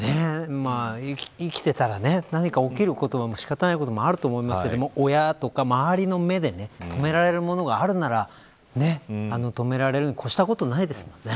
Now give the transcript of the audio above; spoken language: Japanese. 生きていたら何か起きることは仕方がないこともあると思いますけど親とか、周りの目で止められるものがあるなら止められるに越したことないですよね。